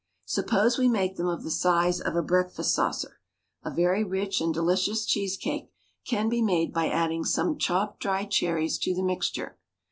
Suppose we make them of the size of a breakfast saucer, a very rich and delicious cheese cake can be made by adding some chopped dried cherries to the mixture.